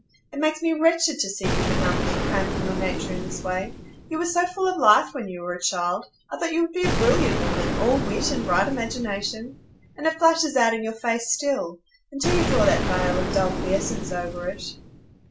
It makes me wretched to see you benumbing and cramping your nature in this way. You were so full of life when you were a child; I thought you would be a brilliant woman,—all wit and bright imagination. And it flashes out in your face still, until you draw that veil of dull quiescence over it."